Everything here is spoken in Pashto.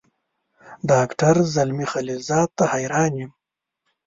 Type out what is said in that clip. ډاکټر زلمي خلیلزاد ته حیران یم.